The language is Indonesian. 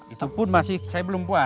itu pun masih saya belum puas